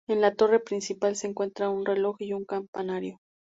En la torre principal se encuentra un reloj y un campanario.